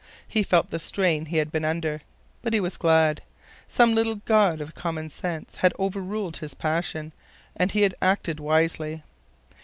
He felt the strain he had been under. But he was glad. Some little god of common sense had overruled his passion, and he had acted wisely.